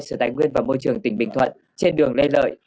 sự tái nguyên và môi trường tỉnh bình thuận trên đường lê lợi